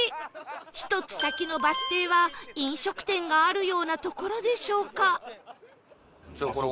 １つ先のバス停は飲食店があるような所でしょうか？